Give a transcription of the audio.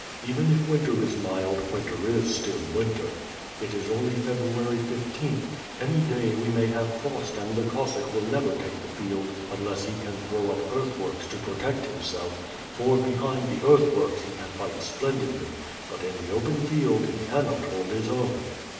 Even if winter is mild, winter is still winter. It is only February fifteenth, any day we may have frost and the Cossack will never take the field unless he can throw up earth works to protect himself; for, behind the earth works, he can fight splendidly, but in the open field, he cannot hold his own.